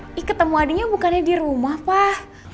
eh ikut temu adinya bukannya di rumah pak